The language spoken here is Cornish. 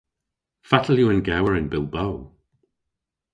Fatel yw an gewer yn Bilbo?